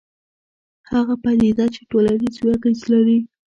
هغه پدیده چې ټولنیز وي اغېز لري.